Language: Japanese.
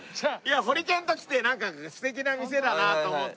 ホリケンと来てなんか素敵な店だなと思って。